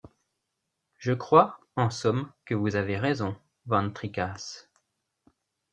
Je crois, en somme, que vous avez raison, van Tricasse.